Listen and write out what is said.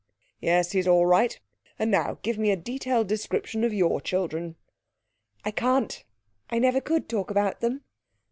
'Yes; he's all right. And now give me a detailed description of your children.' 'I can't. I never could talk about them.'